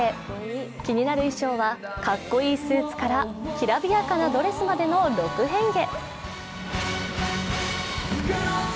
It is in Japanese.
気になる衣装はかっこいいスーツからきらびやかなドレスまでの６変化。